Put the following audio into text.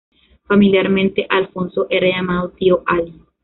Familiarmente, Alfonso era llamado "Tío Ali".